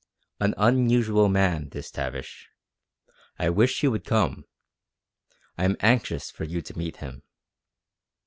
An unusual man, this Tavish. I wish he would come. I am anxious for you to meet him."